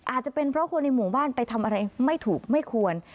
อาจจะเป็นเพราะคนในหมู่บ้านไปทำอะไรไม่ถูกไม่ควร